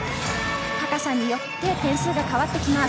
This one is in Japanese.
高さによって点数が変わってきます。